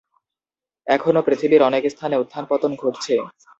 এখনো পৃথিবীর অনেক স্থানে উত্থান-পতন ঘটছে।